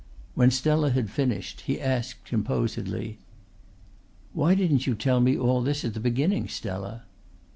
When Stella had finished he asked composedly: "Why didn't you tell me all this at the beginning, Stella?"